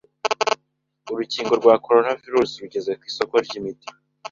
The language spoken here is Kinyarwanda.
urukingo rwa Coronavirus rugeze ku isoko ry'imiti,